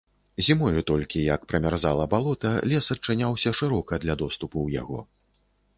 Зімою толькі, як прамярзала балота, лес адчыняўся шырока для доступу ў яго.